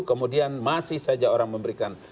kemudian masih saja orang memberikan